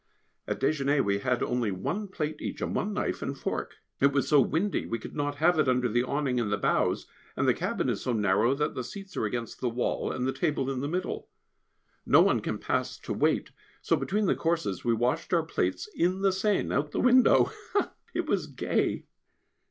At déjeûner we had only one plate each, and one knife and fork. It was so windy we could not have it under the awning in the bows, and the cabin is so narrow that the seats are against the wall, and the table in the middle. No one can pass to wait, so between the courses we washed our plates in the Seine, out of the window. It was gay!